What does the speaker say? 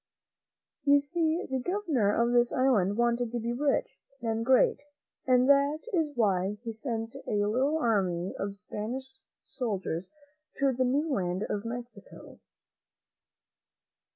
You see the Governor of this island wanted to be rich and great, and that is why he sent a little army of Spanish soldiers to the new land of Mexico.